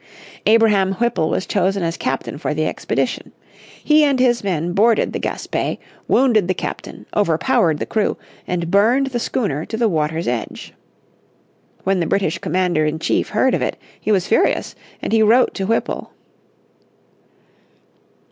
Abraham Whipple was chosen as captain for the expedition. He and his men boarded the Gaspé, wounded the captain, overpowered the crew, and burned the schooner to the water's edge. When the British commander in chief heard of it he was furious, and he wrote to Whipple.